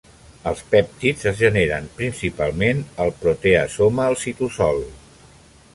Els pèptids es generen principalment el proteasoma al citosol.